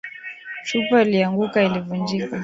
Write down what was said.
Chupa iliyoanguka ilivunjika